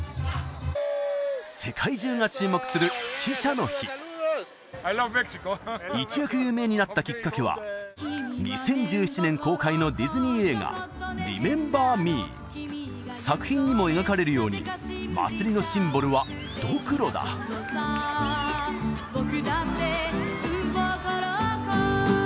世界中が注目する一躍有名になったきっかけは２０１７年公開のディズニー映画「リメンバー・ミー」作品にも描かれるように祭りのシンボルはドクロだぼくだってウン・ポコ・ロコ